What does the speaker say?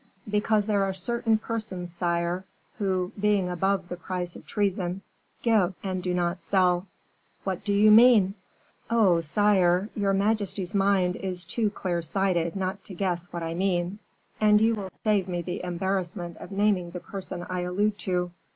"Because there are certain persons, sire, who, being above the price of treason, give, and do not sell." "What do you mean?" "Oh, sire! Your majesty's mind is too clear sighted not to guess what I mean, and you will save me the embarrassment of naming the person I allude to."